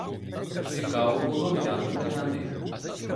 Цікаво було глянути на них.